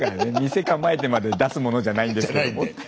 「店構えてまで出すものじゃないんですけども」って。